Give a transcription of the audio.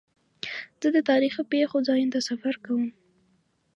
زه د تاریخي پېښو ځایونو ته سفر کوم.